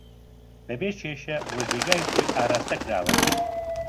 بەبێ کێشە بۆ جێگای خۆی ئاراستەکراوە